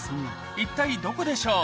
一体どこでしょう？